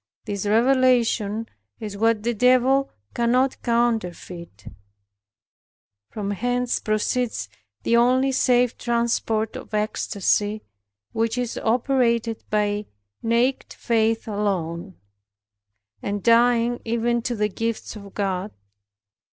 This revelation is what the Devil cannot counterfeit. From hence proceeds the only safe transport of ecstasy, which is operated by naked faith alone, and dying even to the gifts of God.